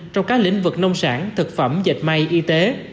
trong các lĩnh vực nông sản thực phẩm dịch may y tế